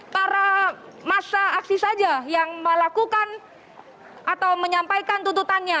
para masa aksi saja yang melakukan atau menyampaikan tuntutannya